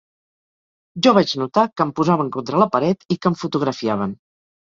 Jo vaig notar que em posaven contra la paret i que em fotografiaven.